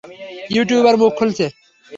YouTuber মুখ খুলেছে?